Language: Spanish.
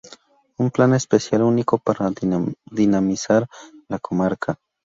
Un Plan Especial único para dinamizar la comarca.